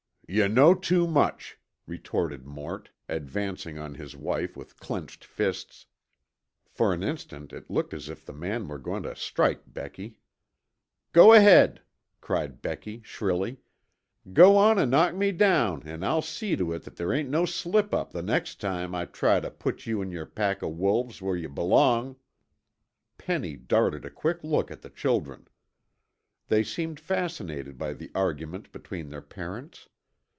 "Yuh know too much," retorted Mort, advancing on his wife with clenched fists. For an instant it looked as if the man were going to strike Becky. "Go ahead," cried Becky shrilly, "go on an' knock me down an' I'll see to it that there ain't no slip up the next time I try tuh put you an' yer pack of wolves where yuh belong!" Penny darted a quick look at the children. They seemed fascinated by the argument between their parents.